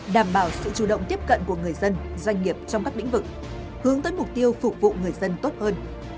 đảm bảo sự chủ động tiếp cận của người dân doanh nghiệp trong các lĩnh vực hướng tới mục tiêu phục vụ người dân tốt hơn